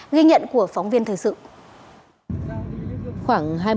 ghi nhận của phóng viên thời sự